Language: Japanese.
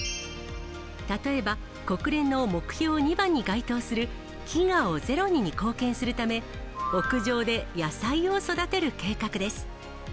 例えば、国連の目標２番に該当する、飢餓をゼロにに貢献するため、屋上で野菜を育てる計画です。